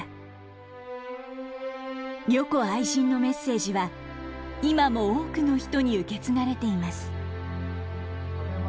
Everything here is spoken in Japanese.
「如己愛人」のメッセージは今も多くの人に受け継がれています。